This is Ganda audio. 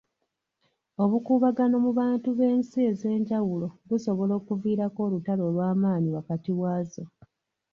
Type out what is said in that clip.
Obukuubagano mu bantu b'ensi ez'enjawulo bussobola okuviirako olutalo olw'amaanyi wakati waazo.